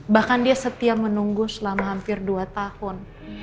bahkan dia setia menunggu selama hampir dua tahun